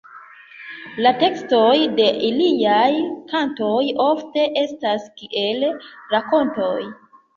La tekstoj de iliaj kantoj ofte estas kiel rakontoj.